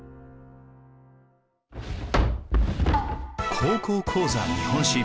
「高校講座日本史」。